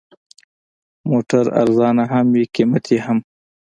موټر ارزانه هم وي، قیمتي هم.